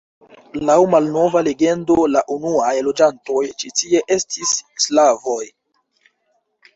Laŭ malnova legendo la unuaj loĝantoj ĉi tie estis slavoj.